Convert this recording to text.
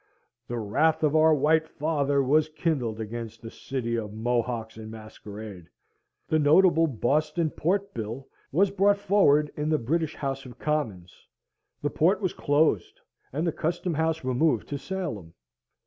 The wrath of our white Father was kindled against this city of Mohocks in masquerade. The notable Boston Port Bill was brought forward in the British House of Commons; the port was closed, and the Custom House removed to Salem.